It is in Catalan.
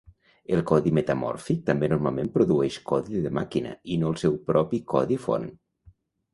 El codi metamòrfic també normalment produeix codi de màquina i no el seu propi codi font.